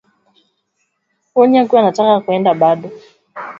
Sauti ya Amerika imekua mstari wa mbele katika kutangaza matukio muhimu ya dunia